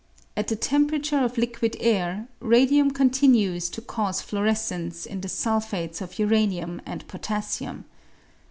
At the temperature of liquid air radium continues to cause fluorescence in the sulphates of uranium and potassium.